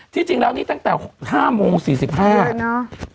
ที่จริงแล้วนี้ตั้งแต่๕โมง๔๕โมง